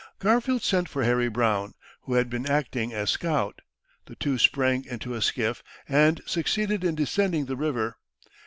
Garfield sent for Harry Brown, who had been acting as scout. The two sprang into a skiff, and succeeded in descending the river.